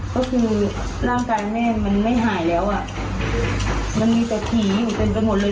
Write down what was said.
ก็คือร่างกายแม่มันไม่หายแล้วอ่ะมันมีแต่ผีอยู่เต็มไปหมดเลย